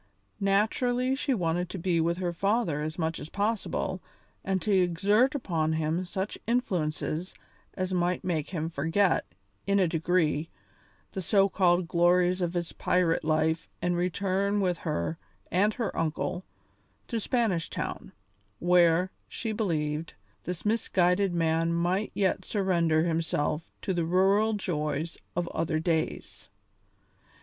Naturally she wanted to be with her father as much as possible and to exert upon him such influences as might make him forget, in a degree, the so called glories of his pirate life and return with her and her uncle to Spanish Town, where, she believed, this misguided man might yet surrender himself to the rural joys of other days.